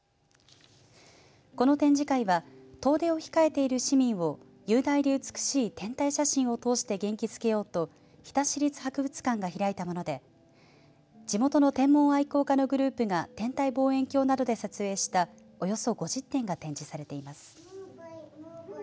この展示会は遠出を控えている市民を雄大で美しい天体写真を通して元気づけようと日田市立博物館が開いたもので地元の天文愛好家のグループは天体望遠鏡などで撮影したおよそ５０点が展示されています。